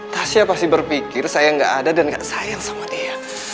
tasya pasti berpikir saya nggak ada dan gak sayang sama dia